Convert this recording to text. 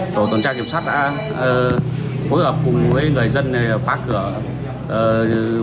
tổ tổn trang kiểm soát đã phối hợp cùng người dân phát cửa